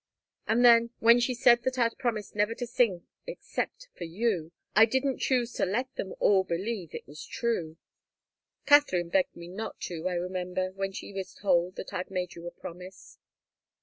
And then, when she said that I'd promised never to sing except for you, I didn't choose to let them all believe it was true. Katharine begged me not to, I remember when she was told that I'd made you a promise."